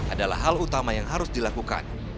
adalah hal utama yang harus dilakukan